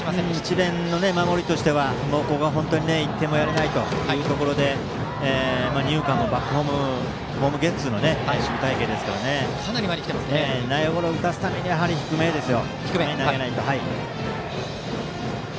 智弁学園の守りとしてはここは１点もやれない中で二遊間のバックホームホームゲッツーの守備隊形ですから内野ゴロを打たすためには低めですよ。